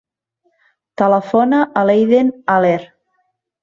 Telefona a l'Eiden Aller.